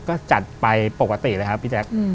ก็จัดไปปกติเลยครับพี่แจ๊ค